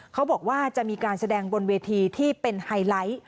เขาบอกว่าจะมีการแสดงบนเวทีที่เป็นไฮไลท์